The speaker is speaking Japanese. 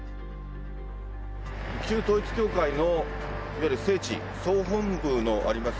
旧統一教会のいわゆる聖地、総本部のあります